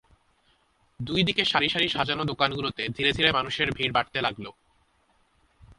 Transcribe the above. দুই দিকে সারি সারি সাজানো দোকানগুলোতে ধীরে ধীরে মানুষের ভিড় বাড়তে লাগল।